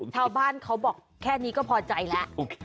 ชาวบ้านเขาบอกแค่นี้ก็พอใจละ